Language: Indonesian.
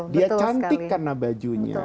dia cantik karena bajunya